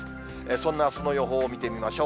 そんなあすの予報を見てみましょう。